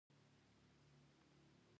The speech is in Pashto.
که هیڅ عکس العمل ونه ښیې انېرژي نومېږي.